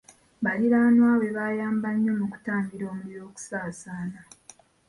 Baliraanwa be baayamba nnyo mu kutangira omuliro okusaasaana.